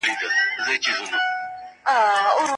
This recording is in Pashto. ورزش کول د ژوند یوه برخه وګرځوئ.